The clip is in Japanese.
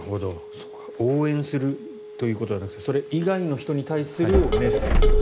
応援するということではなくてそれ以外の人に対するメッセージと。